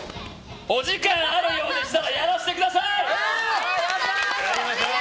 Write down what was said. お時間あるようでしたらやらせてください！